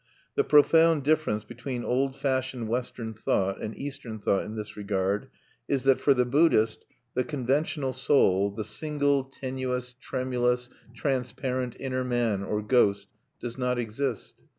The profound difference between old fashioned Western thought and Eastern thought in this regard is, that for the Buddhist the conventional soul the single, tenuous, tremulous, transparent inner man, or ghost does not exist.